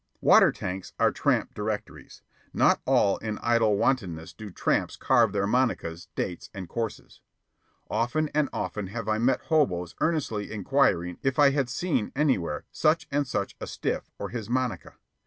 Water tanks are tramp directories. Not all in idle wantonness do tramps carve their monicas, dates, and courses. Often and often have I met hoboes earnestly inquiring if I had seen anywhere such and such a "stiff" or his monica.